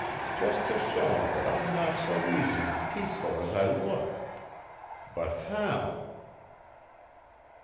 Just to show 'em that I'm not so easy an' peaceful as I look! But how?"